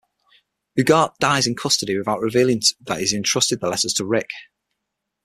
Ugarte dies in custody without revealing that he entrusted the letters to Rick.